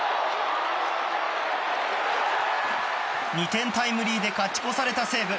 ２点タイムリーで勝ち越された西武。